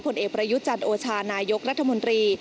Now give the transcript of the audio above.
ผลเอกประยุทธ์จันทร์โอชานายกรัฐมนตรี